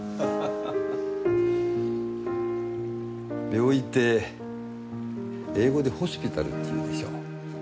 病院って英語でホスピタルっていうでしょ。